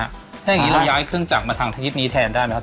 ถ้าอย่างนี้เราย้ายเครื่องจักรมาทางชนิดนี้แทนได้ไหมครับ